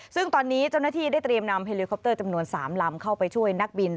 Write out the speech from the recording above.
ซึ่งตอนนี้เจ้าหน้าที่ได้เตรียมนำเฮลิคอปเตอร์จำนวน๓ลำเข้าไปช่วยนักบิน